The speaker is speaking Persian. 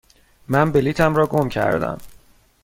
من بلیطم را گم کردم.